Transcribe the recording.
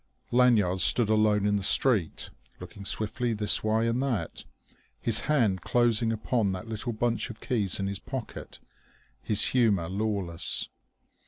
Lanyard stood alone in the street, looking swiftly this way and that, his hand closing upon that little bunch of keys in his pocket, his humour lawless.